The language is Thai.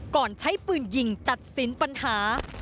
ก่อนใช้ปืนยิงตัดสินปัญหา